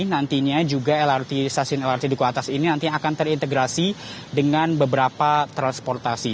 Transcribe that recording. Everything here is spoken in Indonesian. nantinya juga lrt stasiun lrt duku atas ini nanti akan terintegrasi dengan beberapa transportasi